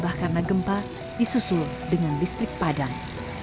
bahkan karena gempa disusul dengan listrik padang